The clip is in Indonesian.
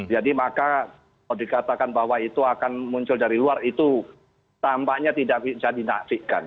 jadi maka kalau dikatakan bahwa itu akan muncul dari luar itu tampaknya tidak bisa dinaklikkan